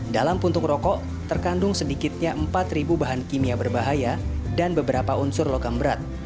dalam puntung rokok terkandung sedikitnya empat bahan kimia berbahaya dan beberapa unsur logam berat